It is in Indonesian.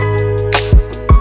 terima kasih ya allah